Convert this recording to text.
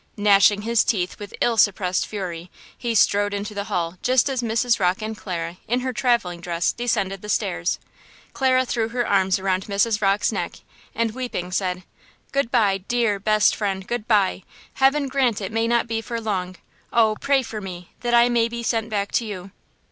Gnashing his teeth with ill suppressed fury, he strode into the hall just as Mrs. Rocke and Clara, in her traveling dress, descended the stairs. Clara threw her arms around Mrs. Rocke's neck, and, weeping, said: "Good by, dear, best friend–good by! Heaven grant it may not be for long! Oh, pray for me, that I may be sent back to you!"